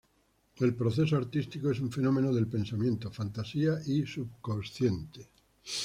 El proceso artístico es un fenómeno del pensamiento, fantasía y subconsciente.